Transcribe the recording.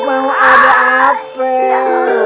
mau ada apa ya